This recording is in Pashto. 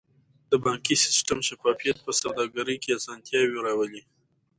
د بانکي سیستم شفافیت په سوداګرۍ کې اسانتیاوې راولي.